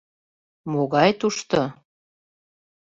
Могай тушто!..